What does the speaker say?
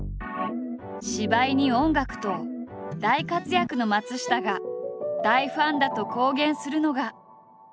芝居に音楽と大活躍の松下が大ファンだと公言するのが。